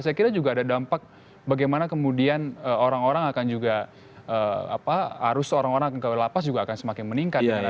saya kira juga ada dampak bagaimana kemudian orang orang akan juga arus orang orang ke lapas juga akan semakin meningkat